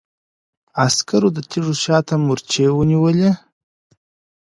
عسکرو د تيږو شا ته مورچې ونيولې.